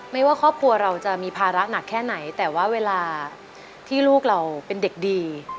ไม่ว่าครอบครัวเราจะมีภาระหนักแค่ไหนแต่ว่าเวลาที่ลูกเราเป็นเด็กดี